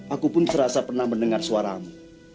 aku pun serasa pernah mendengar suaramu